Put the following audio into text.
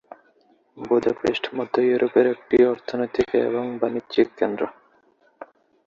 Budapest মধ্য ইউরোপের একটি অর্থনৈতিক ও বাণিজ্যিক কেন্দ্র।